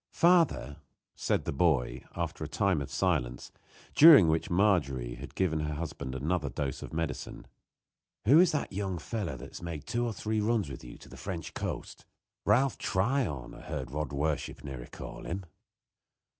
"Father," said the boy, after a time of silence, during which Margery had given her husband another dose of medicine, "who is that young fellow that has made two or three runs with you to the French coast Ralph Tryon, I heard Rodworshiperney call him?"